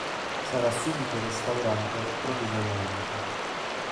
Sarà subito restaurato, provvisoriamente.